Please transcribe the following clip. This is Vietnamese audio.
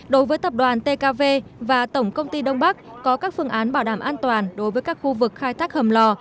đối với tập đoàn tkv và tổng công ty đông bắc có các phương án bảo đảm an toàn đối với các khu vực khai thác hầm lò